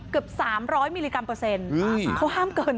เกือบ๓๐๐มิลลิกรัมเปอร์เซ็นต์เขาห้ามเกิน